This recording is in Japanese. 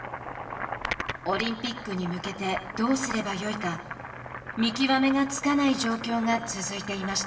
オリンピックに向けてどうすればよいか見極めがつかない状況が続いていました。